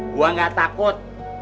gua gak takut